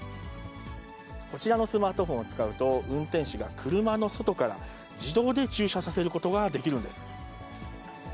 こちらのスマートフォンを使うと、運転手が車の外から自動で駐車させることができるんです。